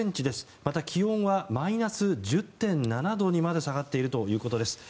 また気温はマイナス１０．７度にまで下がっているということです。